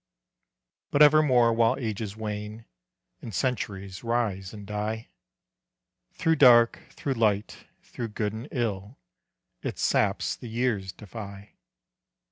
But evermore while ages wane, And centuries rise and die, Through dark, through light, through good and ill, Its saps the years defy.